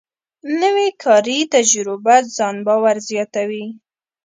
نوې کاري تجربه ځان باور زیاتوي